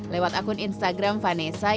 lewat akun instagram vanessa yang menerima penyakit